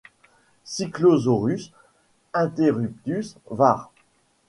Cyclosorus interruptus var.